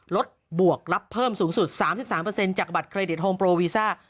บวกรับเพิ่มสูงสุด๓๓จากบัตรเครดิตโฮมโปรวีซ่า